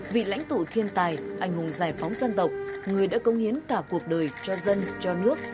vị lãnh tụ thiên tài anh hùng giải phóng dân tộc người đã công hiến cả cuộc đời cho dân cho nước